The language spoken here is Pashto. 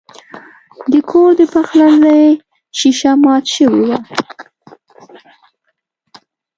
د کور د پخلنځي شیشه مات شوې وه.